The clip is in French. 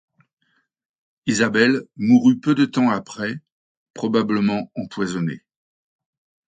Isabelle mourut peu de temps après, probablement empoisonnée.